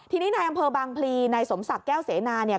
ทีนี้นายอำเภอบางพลีนายสมศักดิ์แก้วเสนาเนี่ย